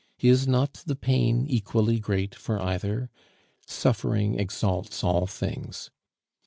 Is not the pain equally great for either? Suffering exalts all things.